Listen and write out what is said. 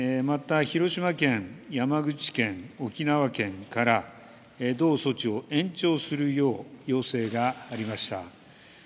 また、広島県、山口県、沖縄県から、同措置を延長するよう要請がありました。